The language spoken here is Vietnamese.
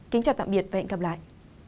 kính chào tạm biệt và hẹn gặp lại